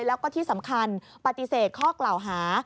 แล้วก็ที่สำคัญปฏิเสธข้อกล่าวหา